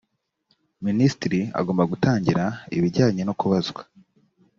minisitiri agomba gutangira ibijyanye no kubazwa